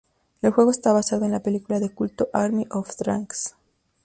El juego está basado en la película de culto "Army of Darkness".